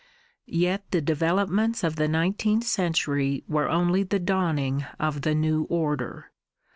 Yet the developments of the nineteenth century were only the dawning of the new order.